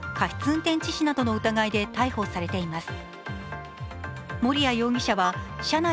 運転致死などの疑いで逮捕されています。